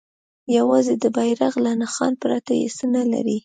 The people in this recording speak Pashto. یوازې د بیرغ له نښان پرته یې څه نه لري.